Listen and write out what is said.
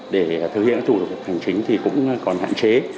để thực hiện các thủ tục hành chính thì cũng còn hạn chế